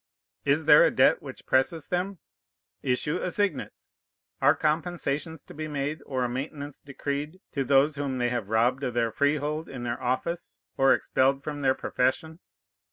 Is there a debt which presses them? Issue assignats. Are compensations to be made or a maintenance decreed to those whom they have robbed of their freehold in their office or expelled from their profession?